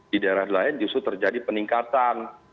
di daerah lain justru terjadi peningkatan